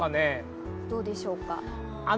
どうでしょうか？